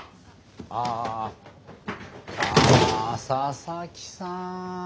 あああ佐々木さん。